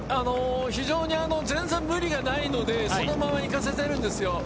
非常に全然、無理がないので、そのまま行かせているんですよ。